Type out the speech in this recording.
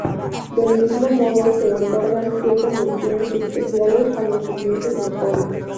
Del mismo modo, se otorgan siete menciones especiales a los siguientes mejores.